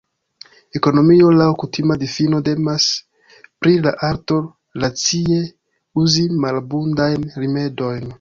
Ekonomio laŭ kutima difino temas pri la arto racie uzi malabundajn rimedojn.